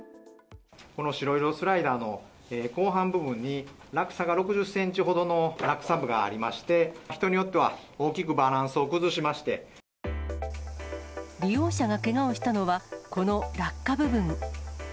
この白色スライダーの後半部分に落差が６０センチほどの落下部がありまして、人によっては大利用者がけがをしたのは、この落下部分。